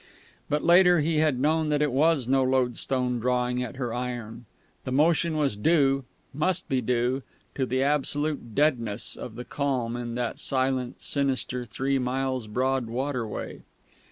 But later he had known that it was no loadstone drawing at her iron. The motion was due must be due to the absolute deadness of the calm in that silent, sinister, three miles broad waterway.